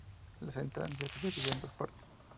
La sentencia se dividió en dos partes.